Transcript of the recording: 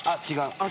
違う。